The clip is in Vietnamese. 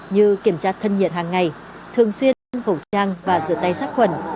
như kiểm tra thân nhiệt hàng ngày thường xuyên hỗ trang và rửa tay sát khuẩn